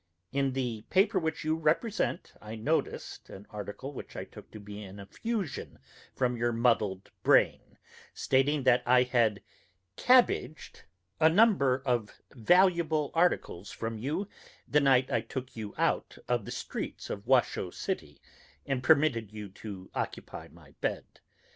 In the paper which you represent, I noticed an article which I took to be an effusion from your muddled brain, stating that I had "cabbaged" a number of valuable articles from you the night I took you out of the streets of Washoe City and permitted you to occupy my bed.